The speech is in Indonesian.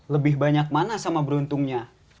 lebih banyak mana sama beruntungnya